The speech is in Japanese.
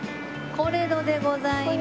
コレドでございます。